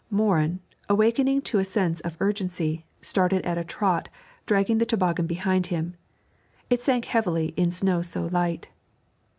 Morin, awakening to a sense of urgency, started at a trot, dragging the toboggan behind him; it sank heavily in snow so light.